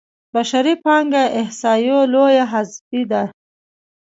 بشري پانګه احصایو لویه حذفي ده.